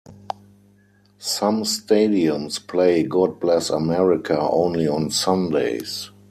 Some stadiums play "God Bless America" only on Sundays.